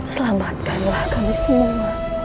selamatkanlah kami semua